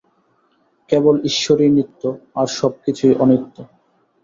কেবল ঈশ্বরই নিত্য, আর সবকিছুই অনিত্য।